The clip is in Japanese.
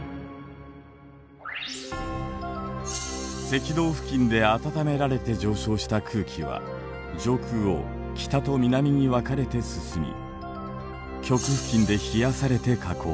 赤道付近で暖められて上昇した空気は上空を北と南に分かれて進み極付近で冷やされて下降。